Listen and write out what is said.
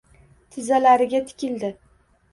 Tizzalariga tikildi.